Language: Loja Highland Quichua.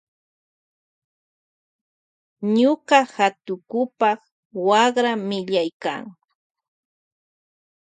Ñuka hatukupa wakra millaykan.